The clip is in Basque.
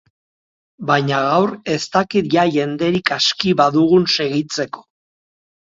Baina gaur, ez dakit ea jenderik aski badugun segitzeko.